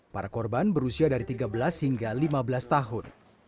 para korban berusia dari tiga belas hingga lima belas tahun